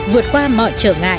vượt qua mọi trở ngại